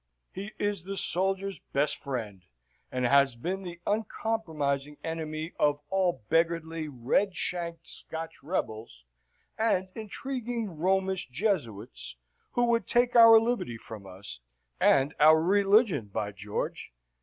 "He is the soldier's best friend, and has been the uncompromising enemy of all beggarly red shanked Scotch rebels and intriguing Romish Jesuits who would take our liberty from us, and our religion, by George.